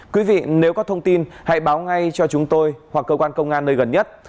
quý vị nếu có thông tin hãy báo ngay cho chúng tôi hoặc cơ quan công an nơi gần nhất